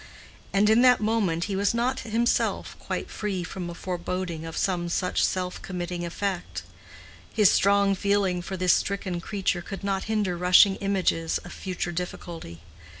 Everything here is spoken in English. And in that moment he was not himself quite free from a foreboding of some such self committing effect. His strong feeling for this stricken creature could not hinder rushing images of future difficulty.